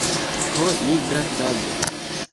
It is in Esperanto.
Ho, nigra tago!